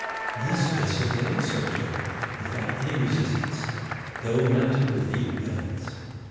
This vessel they also took, without any resistance, though mounted with eight guns.